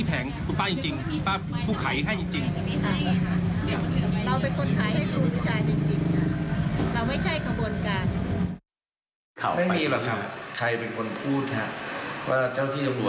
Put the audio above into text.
แล้วครูพิชาได้เลขจากมือลงไป